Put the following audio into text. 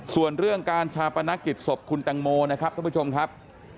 ส่วนเรื่องการชาปนกิจศพคุณแตงโมนะครับท่านผู้ชมครับ